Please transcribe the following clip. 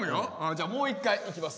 じゃあもう一回いきます。